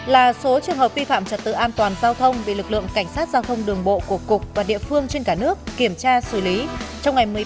là số trường hợp vi phạm trật tự an toàn giao thông bị lực lượng cảnh sát giao thông đường bộ của cục và địa phương trên cả nước kiểm tra xử lý trong ngày một mươi ba tháng một mươi hai năm hai nghìn một mươi sáu